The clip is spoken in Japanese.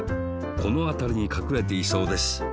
このあたりにかくれていそうです。